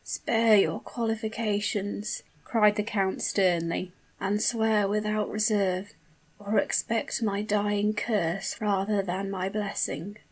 "Spare your qualifications," cried the count, sternly; "and swear without reserve or expect my dying curse, rather than my blessing."